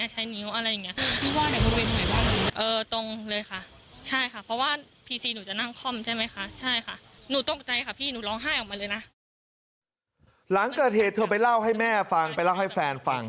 หลังเกิดเหตุเธอไปเล่าให้แม่ฟังไปเล่าให้แฟนฟัง